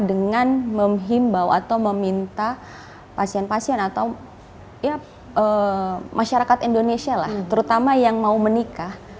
dengan menghimbau atau meminta pasien pasien atau ya masyarakat indonesia lah terutama yang mau menikah